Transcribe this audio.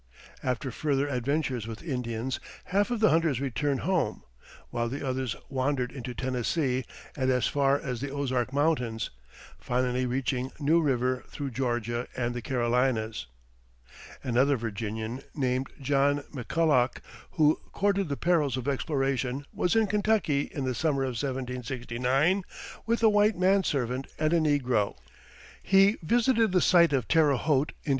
After further adventures with Indians half of the hunters returned home; while the others wandered into Tennessee and as far as the Ozark Mountains, finally reaching New River through Georgia and the Carolinas. Another Virginian, named John McCulloch, who courted the perils of exploration, was in Kentucky in the summer of 1769 with a white man servant and a negro. He visited the site of Terre Haute, Ind.